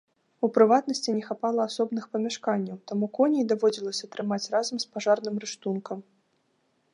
У прыватнасці, не хапала асобных памяшканняў, таму коней даводзілася трымаць разам з пажарным рыштункам.